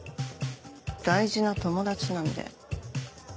大事な友達なんで。